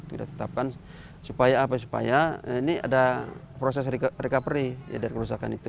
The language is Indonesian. kita tetapkan supaya ada proses recovery dari kerusakan itu